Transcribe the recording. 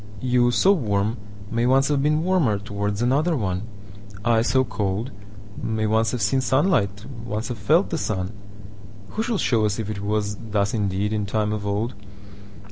You, so warm, may once have beenWarmer towards another one:I, so cold, may once have seenSunlight, once have felt the sun:Who shall show us if it wasThus indeed in time of old?